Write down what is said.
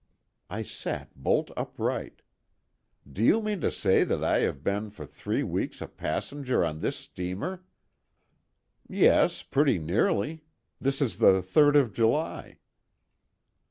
I sat bolt upright. "Do you mean to say that I have been for three weeks a passenger on this steamer?" "Yes, pretty nearly; this is the 3d of July."